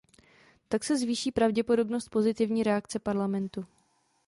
Tak se zvýší pravděpodobnost pozitivní reakce Parlamentu.